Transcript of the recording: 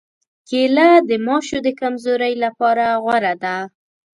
کېله د ماشو د کمزورۍ لپاره غوره ده.